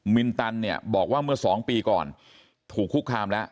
มินตันเนี่ยบอกว่าเมื่อ๒ปีก่อนถูกคุกคามแล้ว